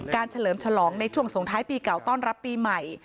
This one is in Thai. เฉลิมฉลองในช่วงสงท้ายปีเก่าต้อนรับปีใหม่